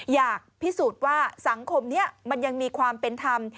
อยากพิสูจน์ว่าสังคมนี้มันยังมีความเป็นธรรม